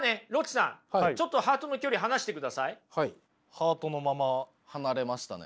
ハートのまま離れましたね。